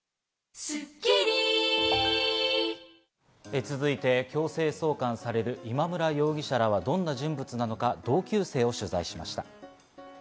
続いて、強制送還される今村容疑者らはどんな人物なのか、同級生を取材しました。